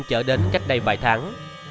chở đến cách đây vài tháng